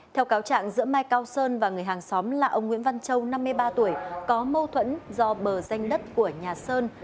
theo cáo trạng giữa mai cao sơn và người hàng xóm là ông nguyễn văn châu năm mươi ba tuổi có mâu thuẫn do bờ danh đất của nhà sơn